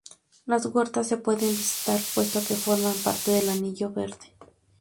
Las huertas se pueden visitar, puesto que forman parte del Anillo Verde.